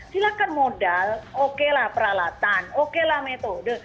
silakan modal oke lah peralatan oke lah metode